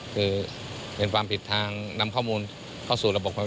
คือเป็นความผิดทางนำข้อมูลเข้าสู่ระบบความ